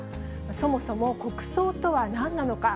そもそも国葬とはなんなのか。